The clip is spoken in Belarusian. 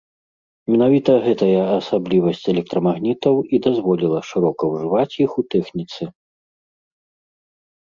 Менавіта гэтая асаблівасць электрамагнітаў і дазволіла шырока ўжываць іх у тэхніцы.